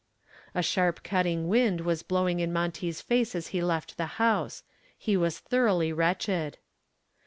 A sharp cutting wind was blowing in Monty's face as he left the house. He was thoroughly wretched.